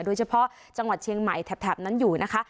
โดยเฉพาะจังหวัดเชียงใหม่แถบนั้นอยู่นะคะ